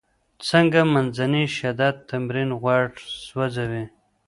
څنګه منځنی شدت تمرین غوړ سوځوي؟